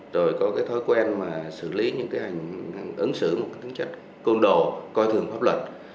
rồi có thói quen xử lý những hành ứng xử một tính chất côn đồ coi thường pháp luật